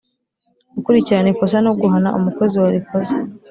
Gukurikirana ikosa no guhana umukozi warikoze